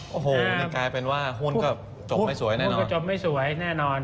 หัวโหลเนี้ยกลายเป็นว่าหุ้นก็จบไม่สวยแน่นอน